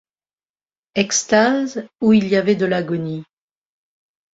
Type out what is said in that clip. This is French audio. Extase où il y avait de l’agonie.